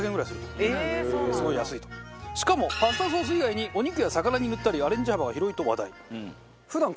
しかもパスタソース以外にお肉や魚に塗ったりアレンジ幅が広いと話題。